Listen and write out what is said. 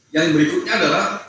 yang berikutnya adalah